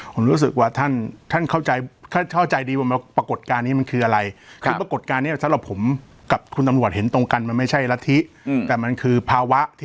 ผมรู้สึกว่าท่านเข้าใจดีว่าปรากฏการณ์นี้มันคืออะไร